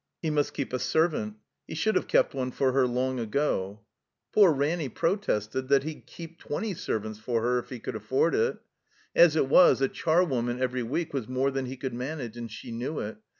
He must keep a servant. He should have kept one for her long ago. Poor Ranny protested that he'd keep twenty ser vants for her if he could afford it. As it was, a char woman every week was more than he could manage, and she knew it.